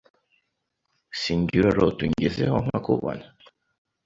Si njye urarota ungezeho nkakubona.